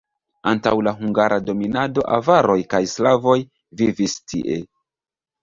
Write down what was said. Antaŭ la hungara dominado avaroj kaj slavoj vivis tie.